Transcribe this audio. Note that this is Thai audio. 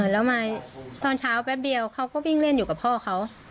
แล้วมาตอนเช้าแป๊บเดียวเขาก็วิ่งเล่นอยู่กับพ่อเขา